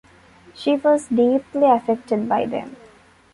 She was deeply affected by them.